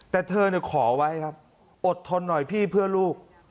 แต่เธอขอไว้ครับอดทนหน่อยพี่เพื่อลูก